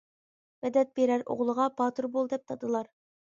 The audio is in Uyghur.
مەدەت بېرەر ئوغلىغا، باتۇر بول دەپ دادىلار.